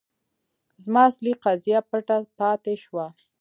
زما اصلي قضیه پټه پاتې شوه.